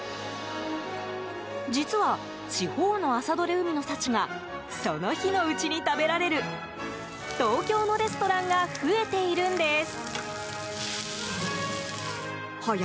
実は、地方の朝どれ海の幸がその日のうちに食べられる東京のレストランが増えているんです。